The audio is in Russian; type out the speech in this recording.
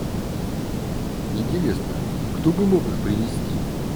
Интересно, кто бы мог их принести?